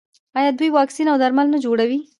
آیا دوی واکسین او درمل نه جوړوي؟